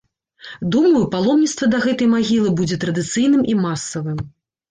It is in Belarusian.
Думаю, паломніцтва да гэтай магілы, будзе традыцыйным і масавым.